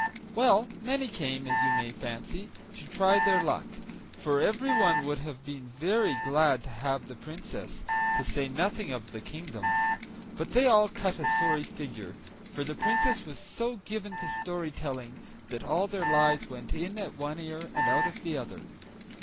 Well, many came, as you may fancy, to try their luck, for everyone would have been very glad to have the Princess, to say nothing of the kingdom; but they all cut a sorry figure, for the Princess was so given to storytelling, that all their lies went in at one ear and out of the other.